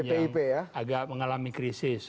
yang agak mengalami krisis